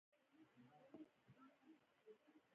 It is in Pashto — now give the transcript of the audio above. پر سبا يې مينه راغله چې زما حياتي علايم وګوري.